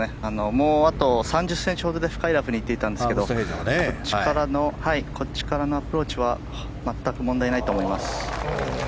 もう、あと３０ｃｍほどで深いラフにいっていたんですがこっちからのアプローチは全く問題ないと思います。